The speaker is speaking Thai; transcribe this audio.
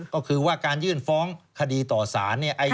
ก็คือว่าการยื่นฟ้องคดีต่อสารเนี่ย